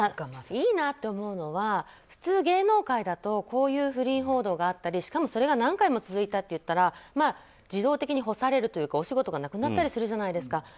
いいなと思うのは普通芸能界だとこういう不倫報道があったりしかもそれが何回か続いたってなったら自動的に干されるというかお仕事がなくなったりするじゃないですか。